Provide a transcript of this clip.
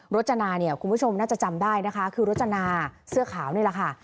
จนาเนี่ยคุณผู้ชมน่าจะจำได้นะคะคือรจนาเสื้อขาวนี่แหละค่ะ